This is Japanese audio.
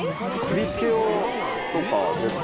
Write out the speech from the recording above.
振り付けとか。